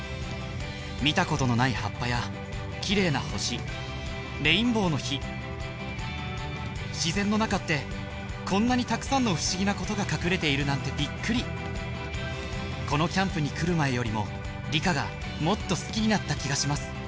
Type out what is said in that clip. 見たことのない葉っぱや綺麗な星レインボーの火自然の中ってこんなにたくさんの不思議なことが隠れているなんてびっくりこのキャンプに来る前よりも理科がもっと好きになった気がします